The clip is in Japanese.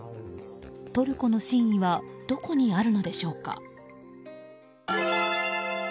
トルコの真意はどこにあるのでしょうか。